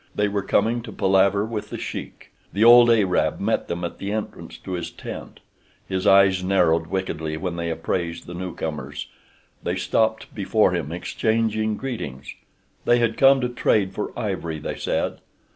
They were coming to palaver with The Sheik. The old Arab met them at the entrance to his tent. His eyes narrowed wickedly when they had appraised the newcomers. They stopped before him, exchanging greetings. They had come to trade for ivory they said.